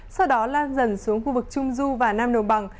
sau đó lan dần xuống khu vực trung du và nam đồng bằng